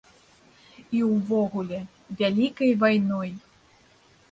І ўвогуле, вялікай вайной.